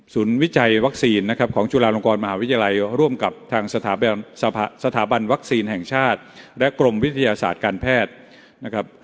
วิจัยวัคซีนนะครับของจุฬาลงกรมหาวิทยาลัยร่วมกับทางสถาบันวัคซีนแห่งชาติและกรมวิทยาศาสตร์การแพทย์นะครับ